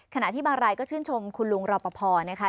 ขณะที่บางรายก็ชื่นชมคุณลุงรอปภนะคะ